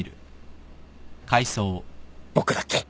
僕だって